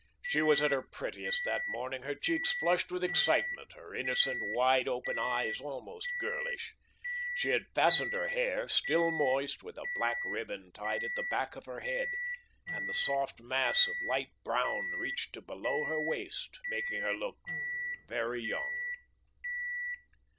She was at her prettiest that morning, her cheeks flushed with excitement, her innocent, wide open eyes almost girlish. She had fastened her hair, still moist, with a black ribbon tied at the back of her head, and the soft mass of light brown reached to below her waist, making her look very young.